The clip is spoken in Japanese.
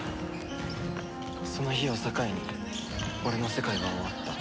その日を境に俺の世界は終わった。